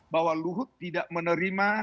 bahwa luhut tidak menerima